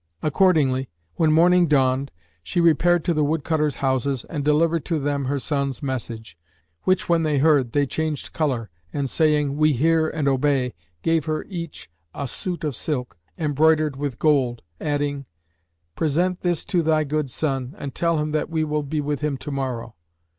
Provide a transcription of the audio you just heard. Accordingly, when morning dawned, she repaired to the woodcutters' houses and delivered to them her son's message, which when they heard, they changed colour, and saying, "We hear and obey," gave her each a suit of silk, embroidered with gold, adding, "Present this to thy good son[FN#571] and tell him that we will be with him to morrow."